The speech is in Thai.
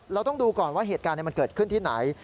เราต้องดูก่อนว่าเหตุการณ์มันเกิดขึ้นที่ไหน